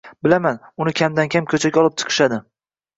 Bilaman, uni kamdan kam ko`chaga olib chiqishadi